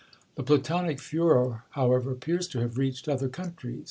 The platonic furor, however, appears to have reached other countries.